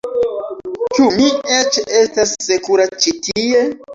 Ĉu mi eĉ estas sekura ĉi tie?